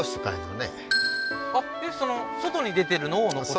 あっその外に出てるのを残す？